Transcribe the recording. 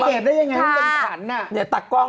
เก็บได้ยังไงให้เป็นขนอ่ะเนี่ยตากล้อง